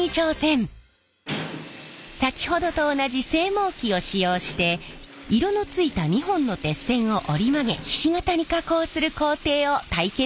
先ほどと同じ製網機を使用して色のついた２本の鉄線を折り曲げひし形に加工する工程を体験します。